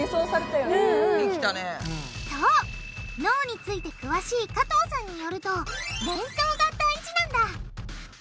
脳について詳しい加藤さんによると連想が大事なんだ！